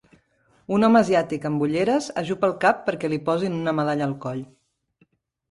Un home asiàtic amb ulleres ajup el cap perquè li posin una medalla al coll.